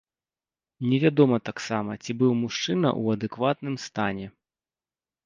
Невядома таксама, ці быў мужчына ў адэкватным стане.